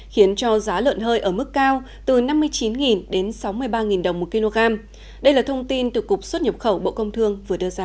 khiến cho giá lợn hơi ở mức cao từ năm mươi chín đến sáu mươi ba đồng một kg đây là thông tin từ cục xuất nhập khẩu bộ công thương vừa đưa ra